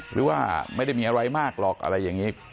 หรือว่าไม่ได้มีอะไรมากหรอกอะไรอย่างนี้